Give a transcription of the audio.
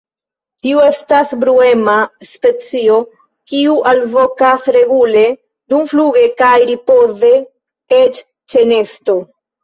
Tiu estas bruema specio, kiu alvokas regule dumfluge kaj ripoze, eĉ ĉe nesto.